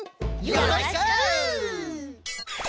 よろしく！